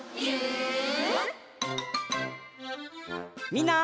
みんな。